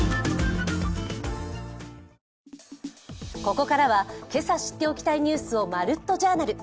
ここからは今朝知っておきたいニュースを「まるっと！Ｊｏｕｒｎａｌ」。